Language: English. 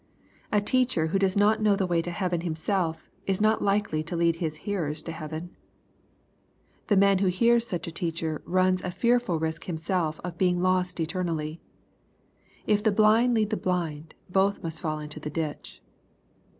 A teacher who does not know the way to heaven himself, is not likely to lead his hearers to heaven. The man who hears such a teacher runs a fearful risk himself of being lost eternally. " If the blind lead the blind both must fall into the ditch.'